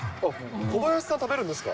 小林さん食べるんですか。